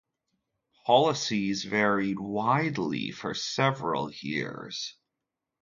Policies varied widely for several years.